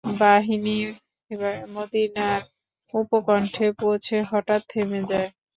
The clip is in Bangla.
বাহিনী মদীনার উপকণ্ঠে পৌঁছে হঠাৎ থেমে যায়।